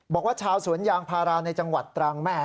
บอกว่าชาวสวนยางพาราในจังหวัดตรังแม่